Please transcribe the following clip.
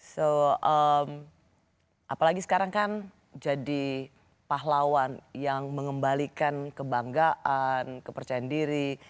so apalagi sekarang kan jadi pahlawan yang mengembalikan kebanggaan kepercayaan diri